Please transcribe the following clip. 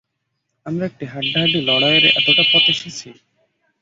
আমরা একটি হাড্ডাহাড্ডি লড়াইয়ের এতটা পথ এসেছি।